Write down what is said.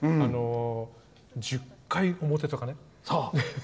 １０回表とかね。